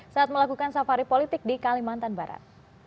saat melakukan safari politik di kalimantan barat